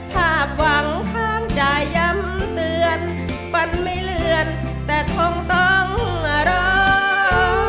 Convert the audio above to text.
ภาพหวังข้างจะย้ำเตือนฟันไม่เลื่อนแต่คงต้องรอ